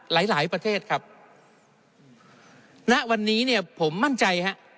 หลายประเทศครับณวันนี้เนี่ยผมมั่นใจครับ